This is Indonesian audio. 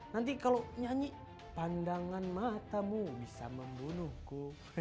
nanti kalau nyanyi pandangan matamu bisa membunuhku